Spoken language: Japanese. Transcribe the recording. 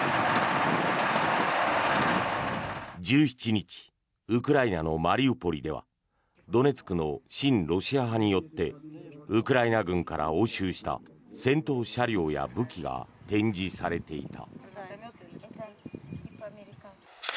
１７日ウクライナのマリウポリではドネツクの親ロシア派によってウクライナ軍から押収した戦闘車両や武器が展示されていた。